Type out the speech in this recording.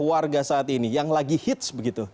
warga saat ini yang lagi hits begitu